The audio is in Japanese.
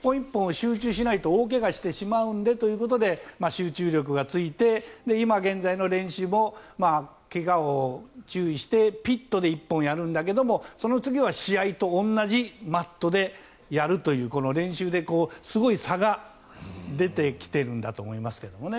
集中しないと大怪我してしまうのでということで集中力がついて今現在の練習も怪我を注意してピットで１本やるんだけどその次は試合と同じマットでやるというこの練習ですごい差が出てきてるんだと思いますけどね。